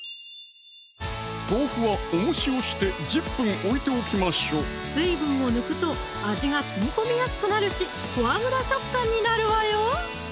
豆腐はおもしをして１０分置いておきましょう水分を抜くと味がしみ込みやすくなるしフォアグラ食感になるわよ！